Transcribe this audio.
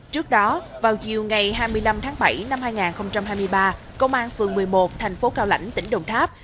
trước đó vào chiều ngày hai mươi năm tháng bảy năm hai nghìn hai mươi ba công an phường một mươi một thành phố cao lãnh tỉnh đồng tháp